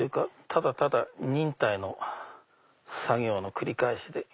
ただただ忍耐の作業の繰り返しで。